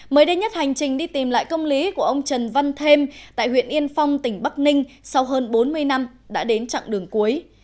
mới đây nhất hành trình đi tìm lại công lý của ông trần văn thêm tại huyện yên phong tỉnh bắc ninh sau hơn bốn mươi năm đã đến chặng đường cuối